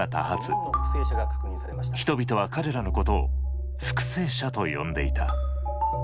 人々は彼らのことを復生者と呼んでいた。